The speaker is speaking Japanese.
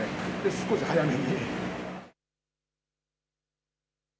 少し早めに。